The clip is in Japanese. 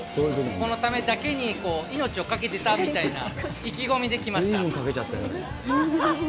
このためだけに命を懸けてたみたいな意気込みで来ました。